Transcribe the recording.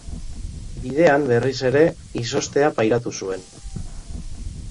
Bidean, berriz ere, izoztea pairatu zuen.